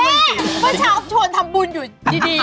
แม่เพื่อนชาวชวนทำบุญอยู่ดีหนี้